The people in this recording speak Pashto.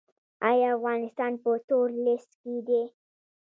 آیا افغانستان په تور لیست کې دی؟